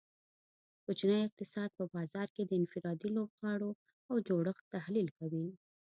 کوچنی اقتصاد په بازار کې د انفرادي لوبغاړو او جوړښت تحلیل کوي